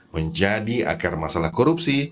menjadi akar masalah korupsi